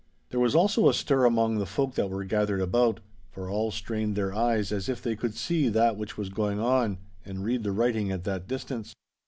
There was also a stir among the folk that were gathered about, for all strained their eyes as if they could see that which was going on, and read the writing at that distance.